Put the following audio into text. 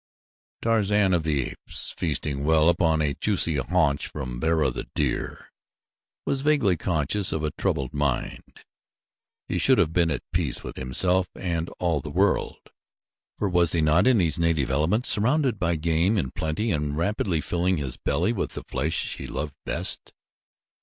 Tarzan of the Apes, feasting well upon a juicy haunch from Bara, the deer, was vaguely conscious of a troubled mind. He should have been at peace with himself and all the world, for was he not in his native element surrounded by game in plenty and rapidly filling his belly with the flesh he loved best?